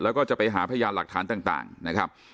แล้วก็จะไปหาพยานหลักฐานต่างนะครับ